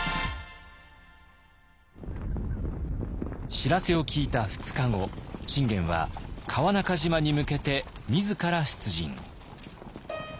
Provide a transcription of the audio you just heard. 知らせを聞いた２日後信玄は川中島に向けて自ら出陣。